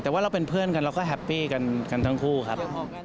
แต่ว่าเราเป็นเพื่อนกันเราก็แฮปปี้กันทั้งคู่ครับ